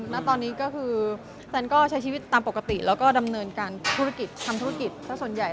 ณตอนนี้ก็คือตันก็ใช้ชีวิตตามปกติแล้วก็ดำเนินการธุรกิจทำธุรกิจสักส่วนใหญ่